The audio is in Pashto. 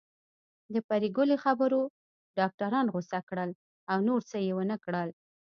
د پري ګلې خبرو ډاکټران غوسه کړل او نور څه يې ونکړل